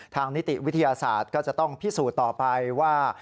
นิติวิทยาศาสตร์ก็จะต้องพิสูจน์ต่อไปว่า